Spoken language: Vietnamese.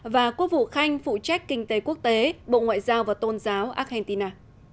và quốc vụ khanh phụ trách kinh tế quốc tế bộ ngoại giao và tôn giáo argentina